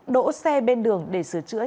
đỗ xe bên đường để sửa chữa